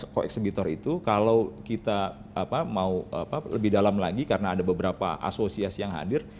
satu ratus lima puluh tujuh koeksibitor itu kalau kita mau lebih dalam lagi karena ada beberapa asosiasi yang hadir